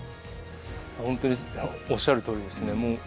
本当におしゃるとおりですね。